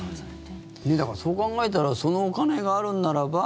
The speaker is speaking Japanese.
だから、そう考えたらそのお金があるならば。